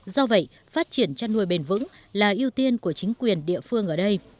do vậy phát triển chăn nuôi bền vững là ưu tiên của chính quyền địa phương ở đây